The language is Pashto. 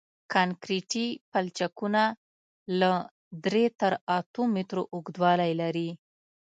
کانکریټي پلچکونه له درې تر اتو مترو اوږدوالی لري